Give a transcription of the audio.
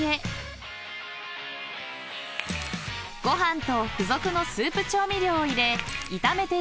［ご飯と付属のスープ調味料を入れ炒めていきます］